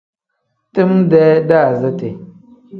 Time-dee daaziti.